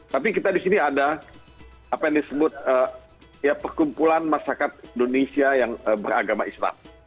tapi kita di sini ada apa yang disebut perkumpulan masyarakat indonesia yang beragama islam